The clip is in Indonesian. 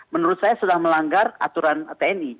menurut saya sudah melanggar aturan tni